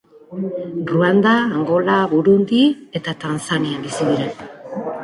Ruanda, Angola, Burundi eta Tanzanian bizi dira.